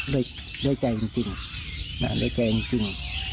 ด้วยใจจริง